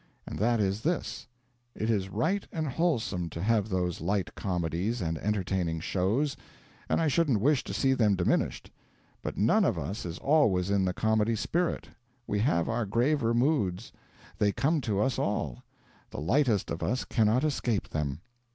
And that is this: It is right and wholesome to have those light comedies and entertaining shows; and I shouldn't wish to see them diminished. But none of us is always in the comedy spirit; we have our graver moods; they come to us all; the lightest of us cannot escape them.